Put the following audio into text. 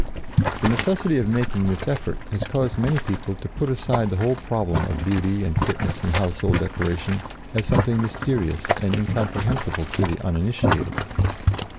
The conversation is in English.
The necessity of making this effort has caused many people to put aside the whole problem of beauty and fitness in household decoration as something mysterious and incomprehensible to the uninitiated.